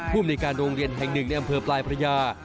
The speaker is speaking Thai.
ภูมิในการโรงเรียนแห่งหนึ่งในอำเภอปลายพระยา